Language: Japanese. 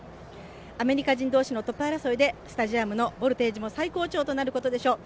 アメリカ人同士のトップ争いでスタジアムのボルテージも最高潮となることでしょう。